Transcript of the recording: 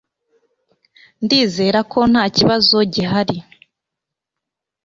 Ndizera ko ntakibazo gihari